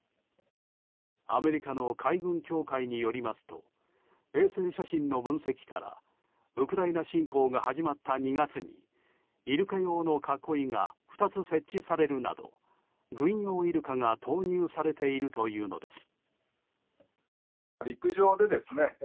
アメリカの海軍協会によりますと衛星写真の分析からウクライナ侵攻が始まった２月にイルカ用の囲いが２つ設置されるなど軍用イルカが投入されているというのです。